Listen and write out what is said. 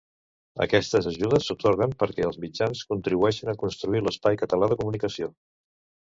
Aquestes ajudes s'atorguen perquè els mitjans contribueixen a construir l'espai català de comunicació.